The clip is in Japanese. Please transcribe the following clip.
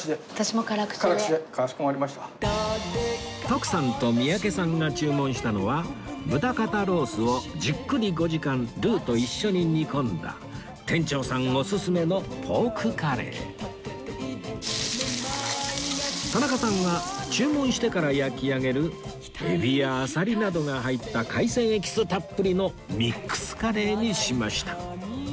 徳さんと三宅さんが注文したのは豚肩ロースをじっくり５時間ルーと一緒に煮込んだ店長さんおすすめの田中さんは注文してから焼き上げるエビやアサリなどが入った海鮮エキスたっぷりのミックスカレーにしました